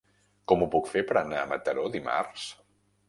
Com ho puc fer per anar a Mataró dimarts?